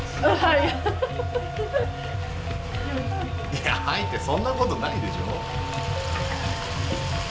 いや「はい！」ってそんなことないでしょ。